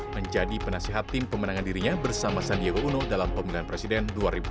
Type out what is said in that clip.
menjadi penasehat tim pemenangan dirinya bersama sandiaga uno dalam pemilihan presiden dua ribu sembilan belas